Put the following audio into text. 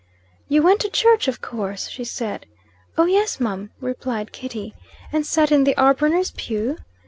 "You went to church, of course," she said. "Oh, yes, mum," replied Kitty. "And sat in the Armburner's pew?"